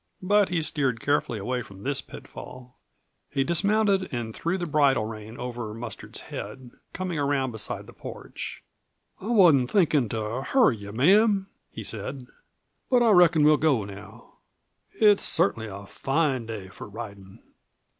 But he steered carefully away from this pitfall. He dismounted and threw the bridle rein over Mustard's head, coming around beside the porch. "I wasn't thinkin' to hurry you, ma'am," he said. "But I reckon we'll go now. It's cert'nly a fine day for ridin'."